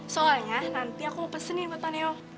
soalnya nanti aku mau pesenin buatan neo